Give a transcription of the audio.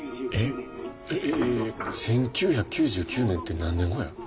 １９９９年って何年後や。